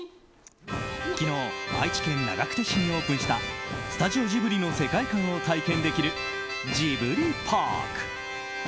昨日、愛知県長久手市にオープンしたスタジオジブリの世界観を体験できるジブリパーク。